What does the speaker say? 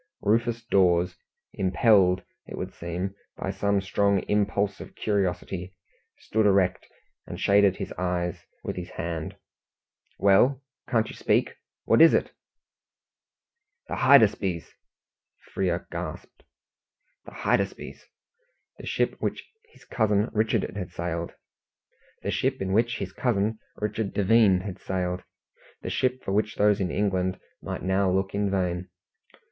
Rufus Dawes, impelled, it would seem, by some strong impulse of curiosity, stood erect, and shaded his eyes with his hand. "Well can't you speak? What is it?" "The Hydaspes!" Frere gasped. The Hydaspes! The ship in which his cousin Richard Devine had sailed! The ship for which those in England might now look in vain!